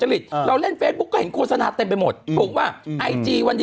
มีหน้าโทรศัพท์ไปดิ๊ง